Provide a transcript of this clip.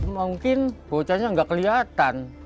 mungkin bocanya enggak kelihatan